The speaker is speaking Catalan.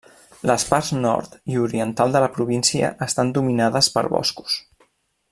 Les parts nord i oriental de la província estan dominades per boscos.